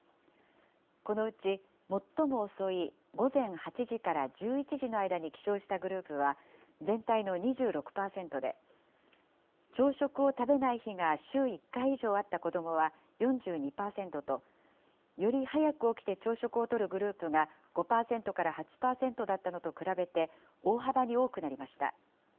このうち最も遅い午前８時から１１時の間に起床したグループは、全体の２６％で、朝食を食べない日が週１回以上あった子どもは４２％と、より早く起きて朝食をとるグループが５％から８％だったのと比べて、大幅に多くなりました。